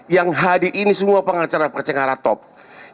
yang hadir ini semua masyarakat yang mengatakan kok gak imbang pengacaranya